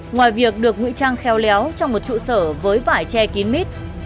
ngoài việc được nguyễn trang kheo léo trong một trụ sở với vải che kín mít